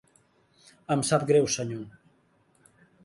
Em sap greu, senyor.